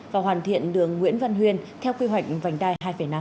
và hoàn thiện đường nguyễn văn huyên theo quy hoạch vành đai hai năm